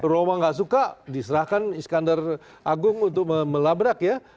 roma nggak suka diserahkan iskandar agung untuk melabrak ya